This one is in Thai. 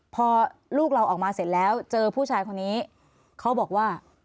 พอลูกเราออกมาเสร็จแล้วเจอผู้ชายคนนี้เขาบอกว่า